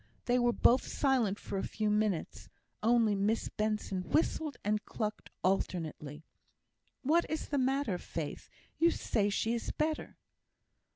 They were both silent for a few minutes; only Miss Benson whistled and clucked alternately. "What is the matter, Faith? You say she is better."